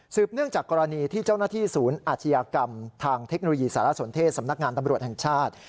เนื่องจากกรณีที่เจ้าหน้าที่ศูนย์อาชญากรรมทางเทคโนโลยีสารสนเทศสำนักงานตำรวจแห่งชาติ